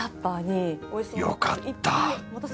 よかった。